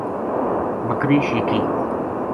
بکری شیکی